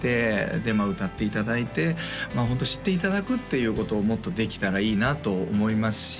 で歌っていただいてホント知っていただくっていうことをもっとできたらいいなと思いますし